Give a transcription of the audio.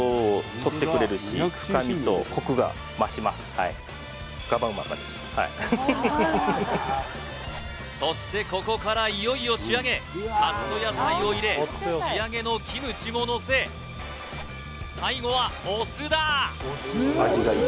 はいはいそしてここからいよいよ仕上げカット野菜を入れ仕上げのキムチものせ最後はお酢だ！